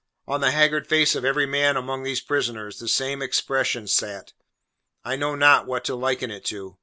On the haggard face of every man among these prisoners, the same expression sat. I know not what to liken it to.